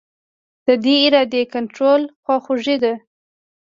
د دې ارادې کنټرول خواخوږي ده.